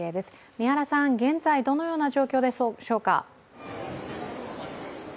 三原さん、現在どのような状況でしょうか？